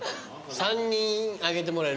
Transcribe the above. ３人挙げてもらえる？